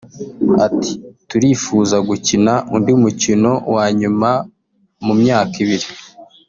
Ati “ Turifuza gukina undi mukino wa nyuma mu myaka ibiri